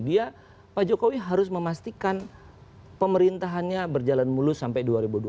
dia pak jokowi harus memastikan pemerintahannya berjalan mulus sampai dua ribu dua puluh